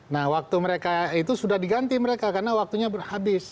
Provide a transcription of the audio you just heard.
nah waktu mereka itu sudah diganti mereka karena waktunya berhabis